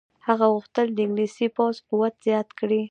هغه غوښتل د انګلیسي پوځ قوت زیات کړي.